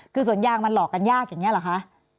คือสวนยางมันหลอกกันยากอย่างนี้หรอคะ